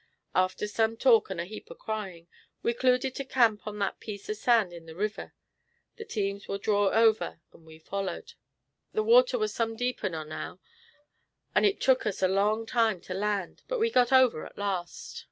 "After some talk and a heap of cryin', we 'cluded to camp on that piece of sand in the river. The teams war drew over and we follered. The water war some deeper nor now, and it took us a long time to land; but we got over at last.